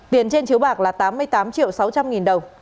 tiền trên chiếu bạc là tám mươi tám triệu sáu trăm linh nghìn đồng